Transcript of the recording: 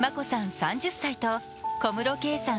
３０歳と小室圭さん